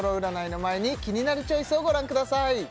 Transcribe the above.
キニナルチョイスをご覧ください